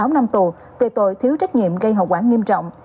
sáu năm tù về tội thiếu trách nhiệm gây hậu quả nghiêm trọng